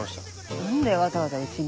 何でわざわざうちに？